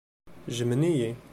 Jjmen-iyi.